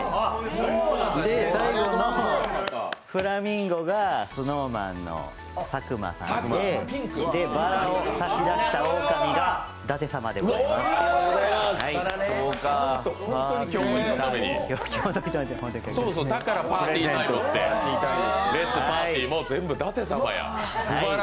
最後のフラミンゴがＳｎｏｗＭａｎの佐久間さんでバラを差し出したオオカミが舘様でございますだからパーティータイムって、レッツ・パーティーも全部、舘様や。